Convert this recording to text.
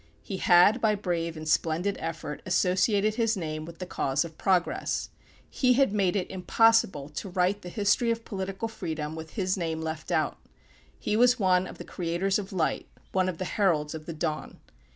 He had, by brave and splendid effort, associated his name with the cause of Progress. He had made it impossible to write the history of political freedom with his name left out. He was one of the creators of light; one of the heralds of the dawn.